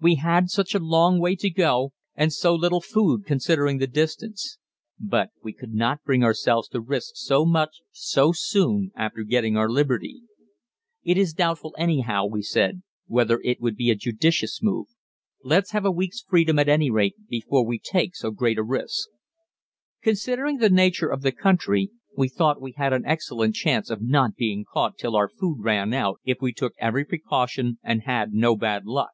We had such a long way to go, and so little food considering the distance. But we could not bring ourselves to risk so much so soon after getting our liberty. "It is doubtful anyhow," we said, "whether it would be a judicious move; let's have a week's freedom at any rate before we take so great a risk." Considering the nature of the country, we thought we had an excellent chance of not being caught till our food ran out, if we took every precaution and had no bad luck.